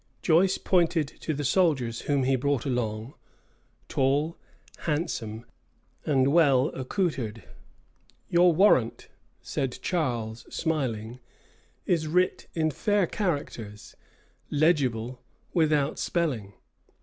Joyce pointed to the soldiers whom he brought along; tall, handsome, and well accoutred. "Your warrant," said Charles, smiling, "is writ in fair characters, legible without spelling."